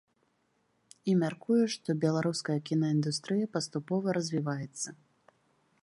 І мяркуе, што беларуская кінаіндустрыя паступова развіваецца.